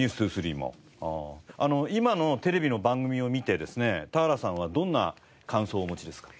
今のテレビの番組を見てですね田原さんはどんな感想をお持ちですか？